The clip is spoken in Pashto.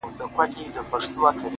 هلته پاس چي په سپوږمـۍ كــي،